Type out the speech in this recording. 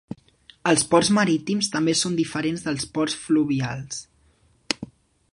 Els ports marítims també són diferents dels ports fluvials.